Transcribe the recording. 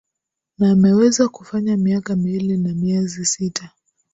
na ameweza kufanya miaka miwili na miezi sita